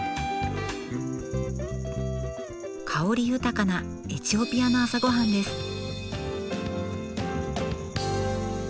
香り豊かなエチオピアの朝ごはんです。